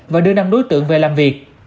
và đưa năm đối tượng về làm việc